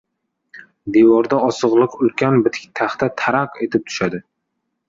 Devorda osig‘liq ulkan bitiktaxta taraq etib tushadi.